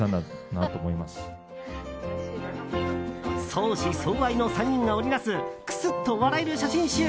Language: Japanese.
相思相愛の３人が織りなすクスッと笑える写真集。